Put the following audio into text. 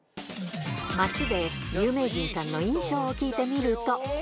街で有名人さんの印象を聞いてみると。